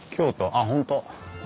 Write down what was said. あっ本当。